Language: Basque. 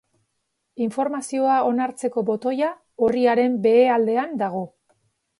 Informazioa onartzeko botoia orriaren behealdean dago.